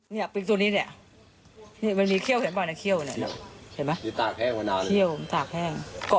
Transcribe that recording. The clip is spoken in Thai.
ทีนี้เรามันไม่เหมือนปริงเรา